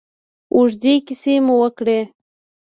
اوږدې کیسې مو وکړې.